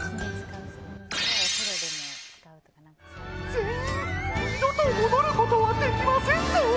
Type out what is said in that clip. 全員、二度と戻ることはできませんぞ！